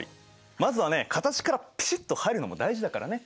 まずはね形からピシッと入るのも大事だからね。